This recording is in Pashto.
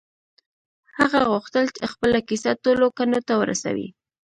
هغه غوښتل خپله کيسه ټولو کڼو ته ورسوي.